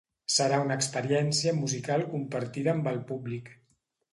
Serà una experiència musical compartida amb el públic.